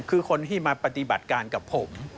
คือคนที่มาปฏิบัติการกับผม